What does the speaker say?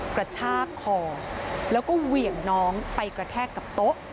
กระชากคอแล้วก็เหวี่ยงน้องไปกระแทกกับโต๊ะ